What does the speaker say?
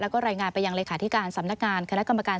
แล้วก็รายงานไปยังเลขาธิการสำนักงานคณะกรรมการ